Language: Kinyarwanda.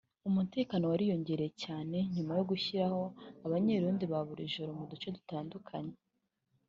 umutekano wariyongeye cyane cyane nyuma yo gushyiraho abanyerondo ba buri joro mu duce dutandukanye